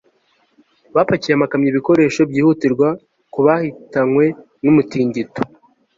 bapakiye amakamyo ibikoresho byihutirwa ku bahitanywe n'umutingito